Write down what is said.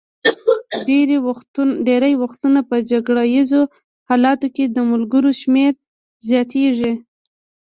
ډېری وختونه په جګړه ایزو حالاتو کې د ملګرو شمېر زیاتېږي.